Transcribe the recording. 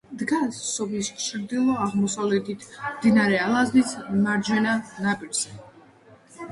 დგას სოფლის ჩრდილო-აღმოსავლეთით, მდინარე ალაზნის მარჯვენა ნაპირზე.